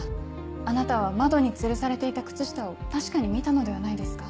あなたは窓につるされていた靴下を確かに見たのではないですか？